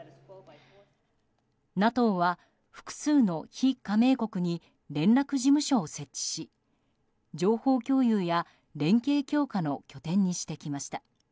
ＮＡＴＯは複数の非加盟国に連絡事務所を設置し情報共有や連携強化の拠点にしてきました。